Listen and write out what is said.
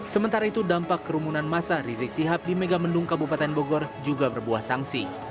sementara itu dampak kerumunan masa rizik sihab di megamendung kabupaten bogor juga berbuah sanksi